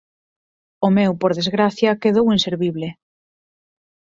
O meu, por desgraza, quedou inservible.